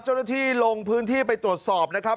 เจ้าหน้าที่ลงพื้นที่ไปตรวจสอบนะครับ